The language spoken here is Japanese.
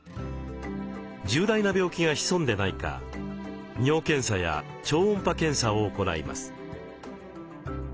重大な病気が潜んでないか尿検査や超音波検査を行います。